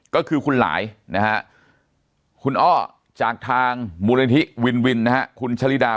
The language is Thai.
ก็คือคุณหลายนะฮะคุณอ้อจากทางมูลนิธิวินวินนะฮะคุณชะลิดา